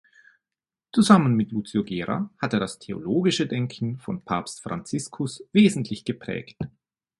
Zusammen mit Lucio Gera hat er das theologische Denken von Papst Franziskus wesentlich geprägt.